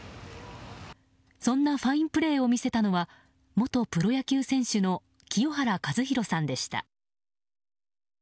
そんなファインプレーを見せたのは、元プロ野球選手の清原和博さんでした。